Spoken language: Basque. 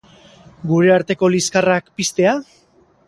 Gure arteko liskarrak piztea?